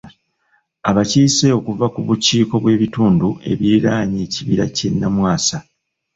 Abakiise okuva ku bukiiko bw'ebitundu ebiriraanye Ekibira ky'e Namwasa.